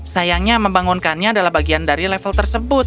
sayangnya membangunkannya adalah bagian dari level tersebut